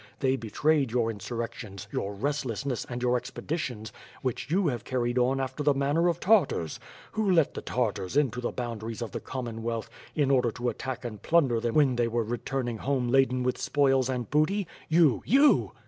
They betrayed your insur rections, your restlessness, and your expeditions, which you have carried on after the manner of Tartars. Who let the Tartars into the boundaries of the Commonwealth, in order to attack and plunder them when they were returning home laden with spoils and booty — you, you!